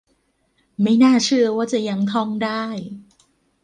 ไม่น่าเชื่อว่าจะยังท่องได้